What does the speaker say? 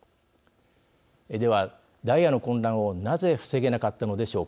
ではダイヤの混乱をなぜ防げなかったのでしょうか。